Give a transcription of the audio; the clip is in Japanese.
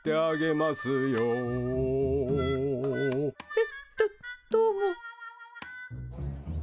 えっどどうも。